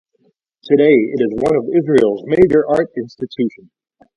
Today it is one of Israel's major art institutions.